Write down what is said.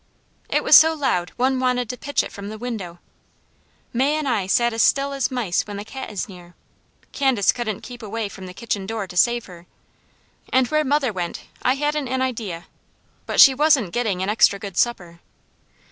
It was so loud one wanted to pitch it from the window. May and I sat still as mice when the cat is near. Candace couldn't keep away from the kitchen door to save her, and where mother went I hadn't an idea, but she wasn't getting an extra good supper.